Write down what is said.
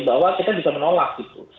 bahwa kita bisa menolak gitu